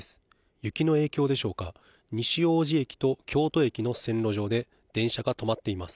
雪の影響でしょうか、西大路駅と京都駅の線路上で電車が止まっています。